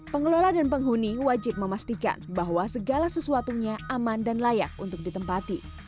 pengelola dan penghuni wajib memastikan bahwa segala sesuatunya aman dan layak untuk ditempati